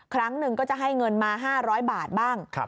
ครั้งหนึ่งก็จะให้เงินมา๕๐๐บาทบ้าง